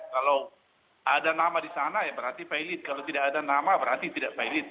kalau ada nama di sana ya berarti pilot kalau tidak ada nama berarti tidak pilot